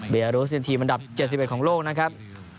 เบลารุสนี่ทีมวันดับ๗๑ของโลกนะครับ